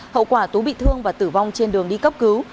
hậu quả tú bị thương và tử vong trên đường đi cấp cứu